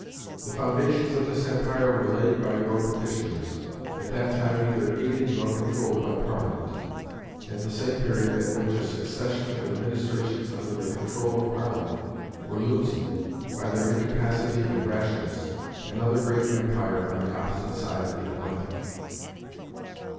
The foundations of this empire were laid by your petitioners, at that time neither aided nor controlled by Parliament, at the same period at which a succession of administrations under the control of Parliament were losing, by their incapacity and rashness, another great empire on the opposite side of the Atlantic."